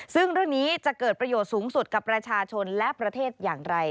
ซึ่งเรื่องนี้จะเกิดประโยชน์สูงสุดกับประชาชนและประเทศอย่างไร